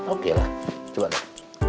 oke lah coba deh